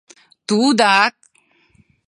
Тудак!